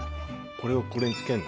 これをこれに付けんの？